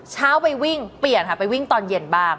เช้าไปวิ่งเปลี่ยนค่ะไปวิ่งตอนเย็นบ้าง